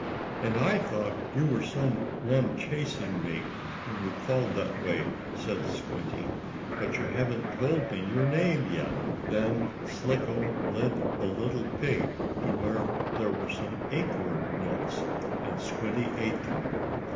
"And I thought you were some one chasing me, when you called that way," said Squinty. "But you haven't told me your name yet." [Illustration: Then Slicko led the little pig to where there were some acorn nuts, and Squinty ate them.